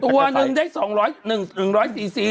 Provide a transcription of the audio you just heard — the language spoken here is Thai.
ตัวหนึ่งได้สี่สี่